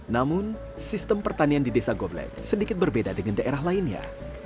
namun sistem pertanian di desa goblet sedikit berbeda dengan daerah lainnya